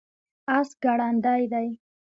اس ګړندی دی